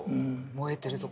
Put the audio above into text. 燃えてるとこ。